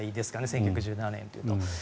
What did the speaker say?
１９１７年というと。